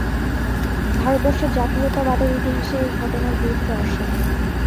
ভারতবর্ষে জাতীয়তাবাদের ইতিহাসে এই ঘটনার গুরুত্ব অসীম।